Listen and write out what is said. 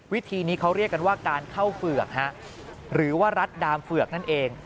วิธีนี้เขาเรียกกันว่าการเข้าเฝือกหรือว่ารัดดามเฝือกนั่นเอง